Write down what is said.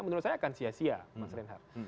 menurut saya akan sia sia mas reinhardt